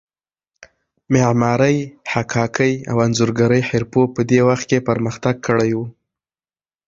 معمارۍ، حکاکۍ او انځورګرۍ حرفو په دې وخت کې پرمختګ کړی و.